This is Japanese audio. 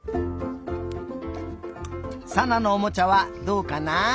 さなのおもちゃはどうかなあ？